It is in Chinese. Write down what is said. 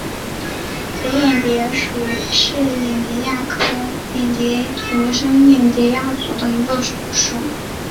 结眼蝶属是眼蝶亚科眼蝶族珍眼蝶亚族中的一个属。